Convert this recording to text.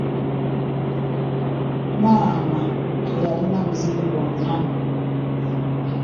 Maama teyalina buzibu bwonna.